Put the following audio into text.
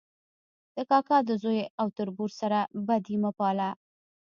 د کاکا د زوی او تربور سره بدي مه پاله